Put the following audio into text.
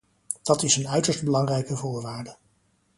Dat is een uiterst belangrijke voorwaarde.